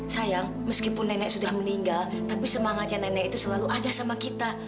sayang meskipun nenek sudah meninggal tapi semangatnya nenek itu selalu ada sama kita